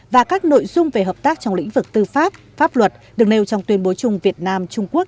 và các nội dung về hợp tác trong lĩnh vực tư pháp pháp luật được nêu trong tuyên bố chung việt nam trung quốc